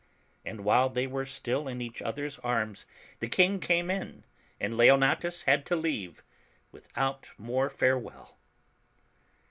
And while they were still in each other's arms, the King came in, and Leonatus had to leave without more farewell.